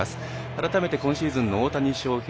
改めて今シーズンの大谷翔平